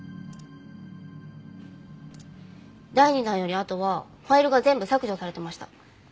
第２弾よりあとはファイルが全部削除されてました。